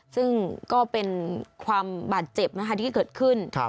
ซึ่งก็เป็นความบาดเจ็บนะคะที่เกิดขึ้น